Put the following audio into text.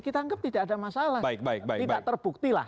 kita anggap tidak ada masalah tidak terbukti lah